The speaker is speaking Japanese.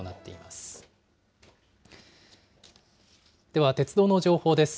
では鉄道の情報です。